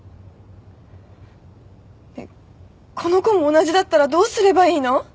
この子も同じだったらどうすればいいの？